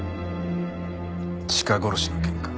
チカ殺しの件か？